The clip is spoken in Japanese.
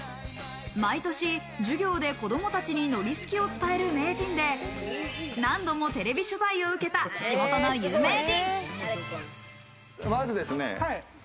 毎年、授業で子供たちに海苔すきを伝える名人で、何度もテレビ取材を受けた地元の有名人。